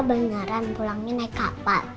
beneran pulangnya naik kapal